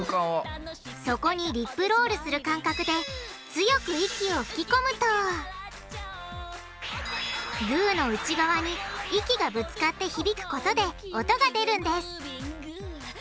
そこにリップロールする感覚で強く息を吹き込むとグーの内側に息がぶつかって響くことで音が出るんです